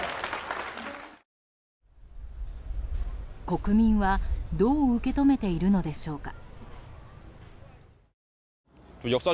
国民は、どう受け止めているのでしょうか。